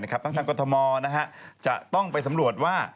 ทางกรทมจะต้องไปสำรวจว่า